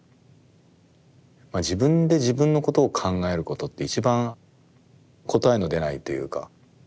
自分で自分のことを考えることって一番答えの出ないというか。